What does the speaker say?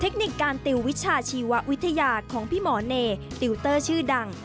คนิคการติววิชาชีววิทยาของพี่หมอเนติวเตอร์ชื่อดัง